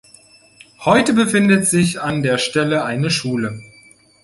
Heute befindet sich an der Stelle eine Schule.